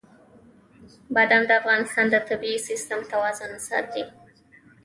بادام د افغانستان د طبعي سیسټم توازن ساتي.